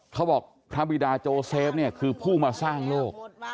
พระบิดาโจเซฟเนี่ยคือผู้มาสร้างโลก